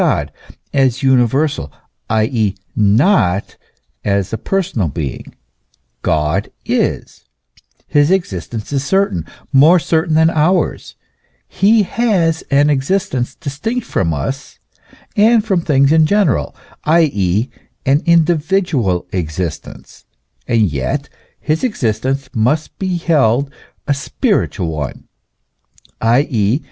God is ; his existence is certain, more certain than ours ; he has an existence distinct from us and from things in general, i.e., an individual existence ; and yet his existence must be held a spiritual one, i.e.